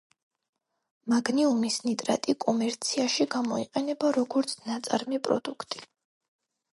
მაგნიუმის ნიტრატი კომერციაში გამოიყენება როგორც ნაწარმი პროდუქტი.